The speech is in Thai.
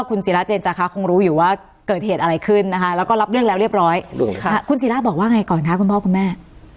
คุณซีร่าบอกว่าไงก่อนคะคุณพ่อคุณแม่